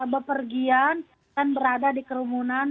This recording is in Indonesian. bepergian dan berada di kerumunan